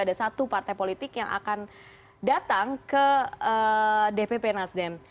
ada satu partai politik yang akan datang ke dpp nasdem